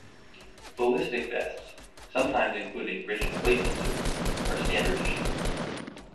Ballistic vests, sometimes including rigid plate inserts, are standard issue.